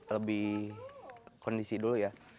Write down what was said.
lebih kondisi dulu ya